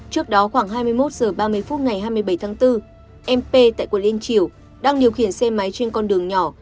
trước đó khoảng hai mươi một h ba mươi phút ngày hai mươi bảy bốn mp tại quận liên triều đang điều khiển xe máy trên con đường nhỏ